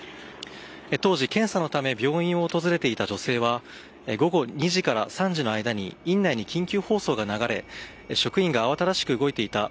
当時、検査のため病院を訪れていた女性は午後２時から３時の間に院内に緊急放送が流れ職員が慌ただしく動いていた。